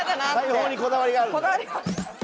大砲にこだわりがあるんだね。